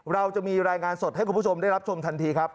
เราจะมีรายงานสดให้คุณผู้ชมได้รับชมทันทีครับ